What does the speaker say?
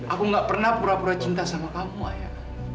aku gak pernah pura pura cinta sama kamu ayah